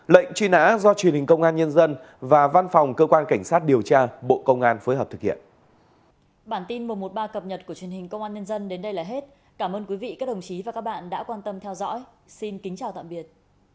lệnh truy nã do truyền hình công an nhân dân và văn phòng cơ quan cảnh sát điều tra bộ công an phối hợp thực hiện